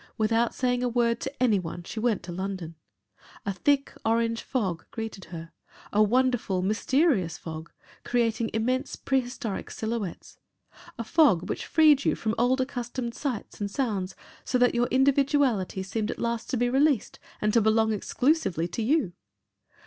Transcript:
Without saying a word to any one she went to London. A thick orange fog greeted her, a wonderful, mysterious fog, creating immense prehistoric silhouettes, a fog which freed you from old accustomed sights and sounds so that your individuality seemed at last to be released and to belong exclusively to you.